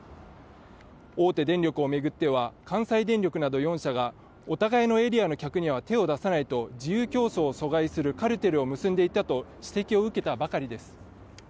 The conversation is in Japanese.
大手電力を巡っては関西電力など４社がお互いのエリアの客には手を出さないと自由競争を阻害するカルテルを結んでいたと指摘を受けたばかりです。